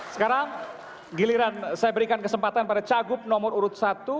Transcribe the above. sekarang giliran saya berikan kesempatan pada cagup nomor urut satu